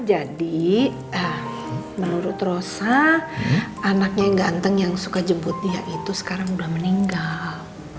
jadi menurut rosa anaknya yang ganteng yang suka jebut dia itu sekarang udah meninggal